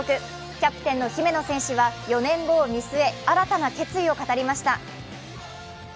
キャプテンの姫野選手は４年後を見据え新たな決意を語りました。